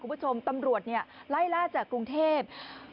คุณผู้ชมตำรวจไล่ล่าจากกรุงเทพ